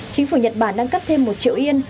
chính phủ nhật bản đang cấp thêm một triệu yên